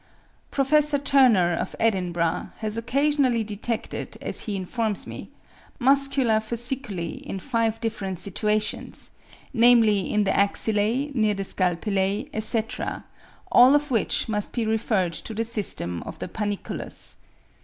Prof. Turner, of Edinburgh, has occasionally detected, as he informs me, muscular fasciculi in five different situations, namely in the axillae, near the scapulae, etc., all of which must be referred to the system of the panniculus.